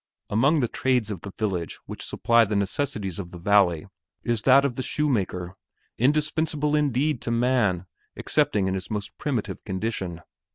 Among the trades of the village which supply the necessities of the valley is that of the shoemaker, indispensible indeed to man excepting in his most primitive condition.